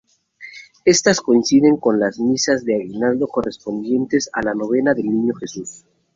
Estas coinciden con las Misas de Aguinaldo correspondientes a la Novena del Niño Jesús.